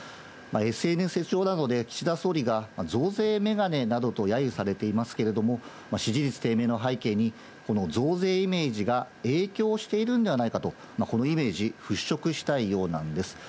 ＳＮＳ上などで岸田総理が増税メガネなどとやゆされていますけれども、支持率低迷の背景に、この増税イメージが影響しているんではないかと、このイメージ払拭したいようなんです。